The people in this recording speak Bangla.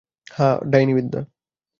হ্যাঁ, ডাইনিবিদ্যা।